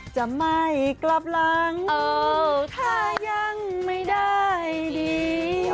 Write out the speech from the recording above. จะไม่กลับหลังถ้ายังไม่ได้ดี